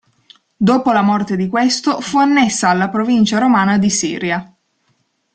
Dopo la morte di questo, fu annessa alla provincia romana di Siria.